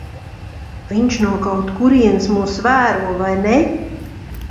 Viņš no kaut kurienes mūs vēro, vai ne?